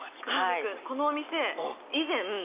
このお店以前。